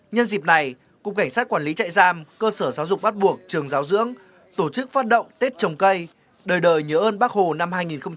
nhân dịp này cục cảnh sát quản lý trại giam cơ sở giáo dục bắt buộc trường giáo dưỡng tổ chức phát động tết trồng cây đời đời nhớ ơn bác hồ năm hai nghìn hai mươi